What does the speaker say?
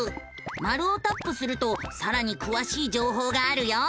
マルをタップするとさらにくわしい情報があるよ。